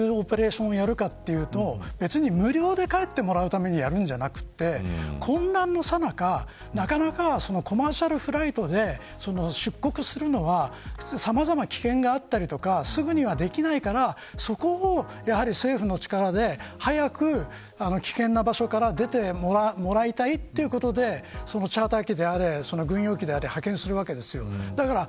ごめんなさい、ちょっとはっきりは覚えてないんですけど要するに何でこういうオペレーションをやるかというと別に無料で帰ってもらうためにあるんじゃなくて混乱のさなかなかなかコマーシャルフライトで出国するのはさまざまな危険があったりとかすぐにはできないからそこを、政府の力で早く危険な場所から出てもらいたいということでチャーター機であれ軍用機であれ派遣するわけですよ。